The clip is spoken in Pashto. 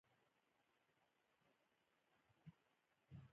هغوی د سړک پر غاړه د سپوږمیز مینه ننداره وکړه.